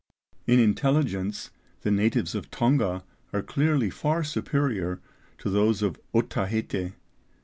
In intelligence the natives of Tonga are clearly far superior to those of Otaheite.